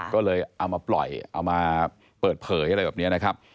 ก็เลยเอามาปล่อยเอามาเปิดเผยอะไรแบบนี้นะครับ